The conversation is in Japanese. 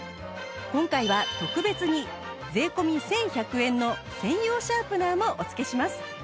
今回は特別に税込１１００円の専用シャープナーもお付けします